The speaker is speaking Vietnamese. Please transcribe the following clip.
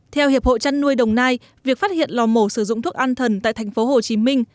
theo hiệp hội chăn nuôi đồng nai việc phát hiện lò mổ sử dụng thuốc an thần tại thành phố hồ chí minh